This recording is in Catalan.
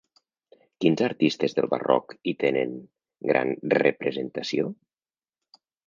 Quins artistes del barroc hi tenen gran representació?